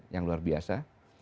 yang luar biasa